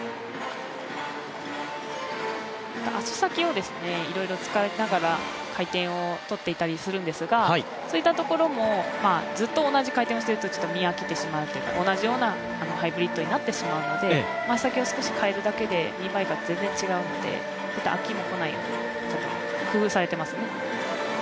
足先をいろいろ使いながら回転を取ったりしているんですが、そういったところもずっと同じ回転をしていると見飽きてしまうというか同じようなハイブリッドになってしまうので、足先を少し変えるだけで見栄えが全然違うので飽きもこない、ちょっと工夫されていますね。